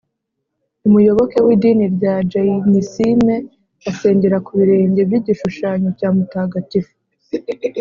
umuyoboke w’idini rya jayinisime asengera ku birenge by’igishushanyo cya mutagatifu